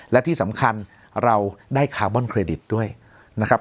และที่สำคัญเราได้คาร์บอนเครดิตด้วยนะครับ